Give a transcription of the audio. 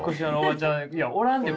いやおらんで！